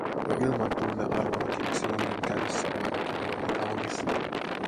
Jo ilman tunnearvoakin Xiangin kädessä oleva kivi oli kaunis;